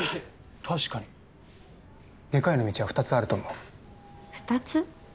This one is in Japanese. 確かに外科医の道は二つあると思う二つ？